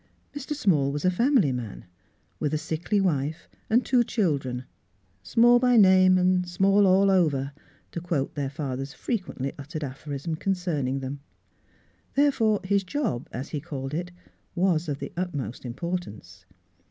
Mr. Small was a fam ily man, with a sickly wife and two chil dren, " small by name and small all over," to quote their father's frequently uttered aphorism concerning them. Therefore his " job " as he called it, was of the ut most importance.